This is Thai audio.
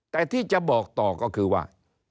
แต่ที่จะบอกต่อก็คือว่า